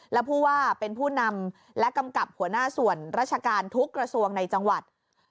และผู้ว่าเป็นผู้นำและกำกับหัวหน้าส่วนราชการทุกกระทรวงในจังหวัด